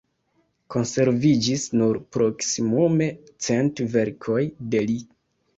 Konserviĝis nur proksimume cent verkoj de li.